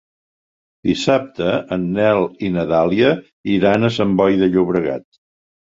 Dissabte en Nel i na Dàlia iran a Sant Boi de Llobregat.